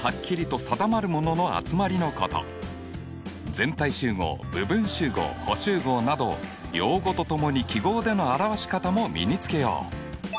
全体集合部分集合補集合など用語とともに記号での表し方も身につけよう。